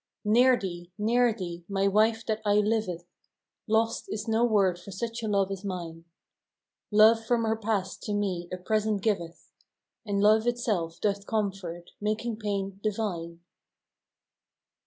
Near thee, near thee, my wife that aye liveth, " Lost " is no word for such a love as mine; Love from her past to me a present giveth, And love itself doth comfort, making pain divine.